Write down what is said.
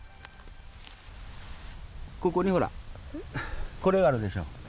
ここにほらこれがあるでしょう。